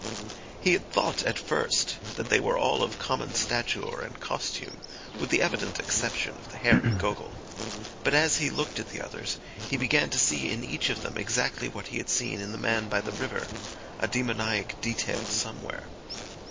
He had thought at first that they were all of common stature and costume, with the evident exception of the hairy Gogol. But as he looked at the others, he began to see in each of them exactly what he had seen in the man by the river, a demoniac detail somewhere.